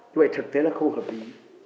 nhưng mà thực tế là không hợp lý